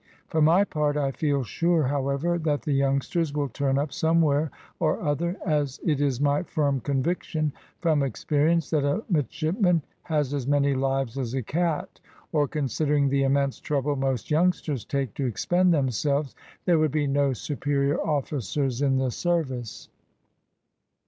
For my part, I feel sure, however, that the youngsters will turn up somewhere or other; as it is my firm conviction, from experience, that a midshipman has as many lives as a cat, or, considering the immense trouble most youngsters take to expend themselves, there would be no superior officers in the service."